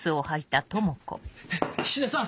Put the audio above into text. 菱田さん